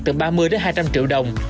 từ ba mươi đến hai trăm linh triệu đồng